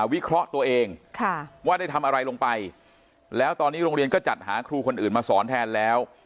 วิเคราะห์ตัวเองว่าได้ทำอะไรลงไปแล้วตอนนี้โรงเรียนก็จัดหาครูคนอื่นมาสอนแทนแล้ว